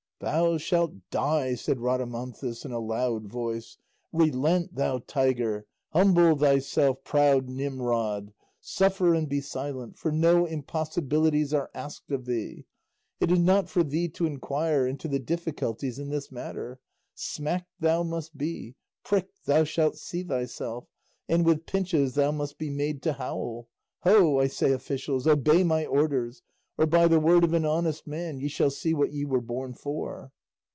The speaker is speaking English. '" "Thou shalt die," said Rhadamanthus in a loud voice; "relent, thou tiger; humble thyself, proud Nimrod; suffer and be silent, for no impossibilities are asked of thee; it is not for thee to inquire into the difficulties in this matter; smacked thou must be, pricked thou shalt see thyself, and with pinches thou must be made to howl. Ho, I say, officials, obey my orders; or by the word of an honest man, ye shall see what ye were born for."